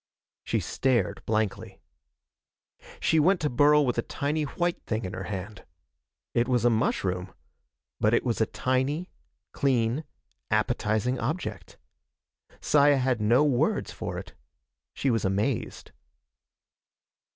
She stared blankly. She went to Burl with a tiny white thing in her hand. It was a mushroom. But it was a tiny, clean, appetizing object. Saya had no words for it. She was amazed.